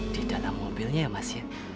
di dalam mobilnya ya mas ya